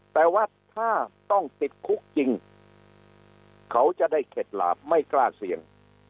แต่ว่าถ้าต้องติดคุกจริงเขาจะได้เข็ดหลาบไม่กล้าเสี่ยง